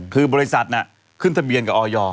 คือบริษัทขึ้นทะเบียนกับออย